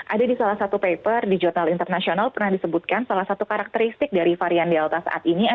ada di salah satu paper di jurnal internasional pernah disebutkan salah satu karakteristik dari varian delta saat ini adalah